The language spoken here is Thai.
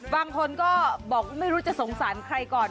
บางคนก็บอกไม่รู้จะสงสารใครก่อน